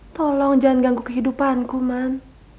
tolong jangan ganggu kehidupanku man